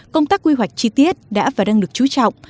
công tác quy hoạch chi tiết đã và đang được chú trọng